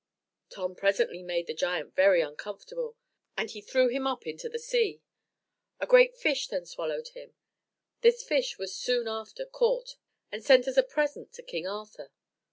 Tom presently made the giant very uncomfortable, and he threw him up into the sea. A great fish then swallowed him. This fish was soon after caught, and sent as a present to King Arthur.